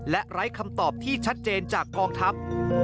และไร้คำตอบที่ชัดเจนจากกองทัพ